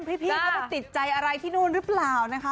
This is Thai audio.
พี่ก็ติดใจอะไรที่นู้นรึเปล่านะคะ